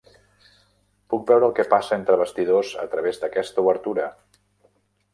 Puc veure el que passa entre bastidors a través d'aquesta obertura!